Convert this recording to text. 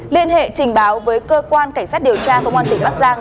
liên hệ trình báo với cơ quan cảnh sát điều tra công an tỉnh bắc giang